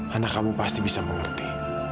karena kamu pasti bisa mengerti